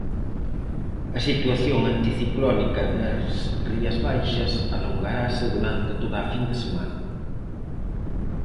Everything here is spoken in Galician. A situación anticiclónica nas Rías Baixas alongarase durante toda a fin de semana.